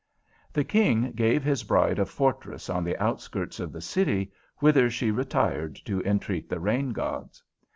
The King gave his bride a fortress on the outskirts of the city, whither she retired to entreat the rain gods.